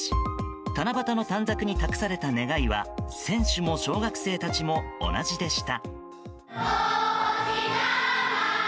七夕の短冊に託された願いは選手も小学生たちも同じでした。